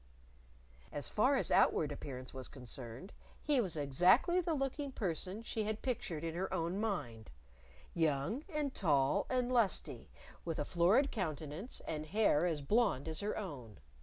As far as outward appearance was concerned, he was exactly the looking person she had pictured in her own mind young and tall and lusty, with a florid countenance and hair as blonde as her own.